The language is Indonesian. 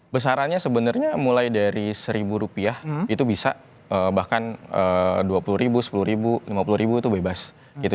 besarannya sebenarnya mulai dari seribu rupiah itu bisa bahkan dua puluh ribu sepuluh ribu lima puluh ribu itu bebas gitu